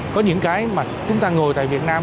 có những cái mà chúng ta ngồi tại việt nam